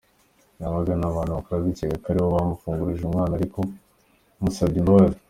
Yabanaga n’aba bantu abicyeka ko aribo bamufungishirije umwana, ariko musabye imbabazi.